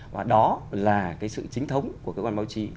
và đó là cái sự chính thống của cơ quan báo chí